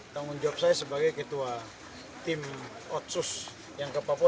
tanggung jawab saya sebagai ketua tim otsus yang ke papua